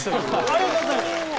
ありがとうございます。